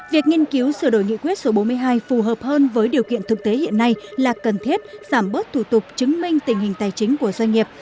việc nghiên cứu sửa đổi nghị quyết số bốn mươi hai phù hợp hơn với điều kiện thực tế hiện nay là cần thiết giảm bớt thủ tục chứng minh tình hình tài chính của doanh nghiệp